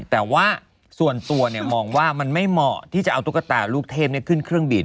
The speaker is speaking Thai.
แต่ว่าส่วนตัวมองว่ามันไม่เหมาะที่จะเอาตุ๊กตาลูกเทพขึ้นเครื่องบิน